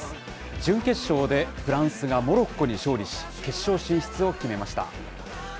準決勝でフランスがモロッコに勝利し、決勝進出を決めました。